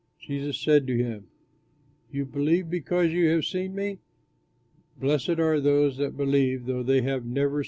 Jesus said to him, "You believe because you have seen me? Blessed are those who believe though they have never seen me!"